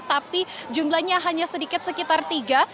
tapi jumlahnya hanya sedikit sekitar tiga